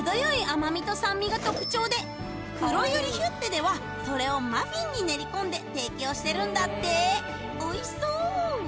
甘みと酸味が特徴で黒百合ヒュッテではそれをマフィンに練り込んで提供してるんだって美味しそう！